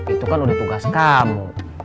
itu kan udah tugas kamu